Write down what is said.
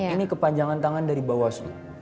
ini kepanjangan tangan dari bawah suhu